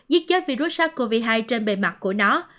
giết chết virus sars cov hai trên bề mặt của nó